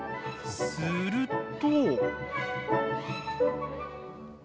すると。